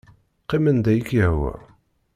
Qqim anda i k-yehwa.